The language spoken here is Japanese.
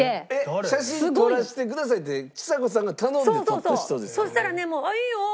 「写真撮らせてください」ってちさ子さんが頼んで撮った人ですか？